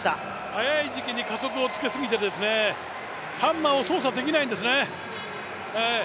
早い時期に加速をつけすぎてハンマーを操作できないんですね。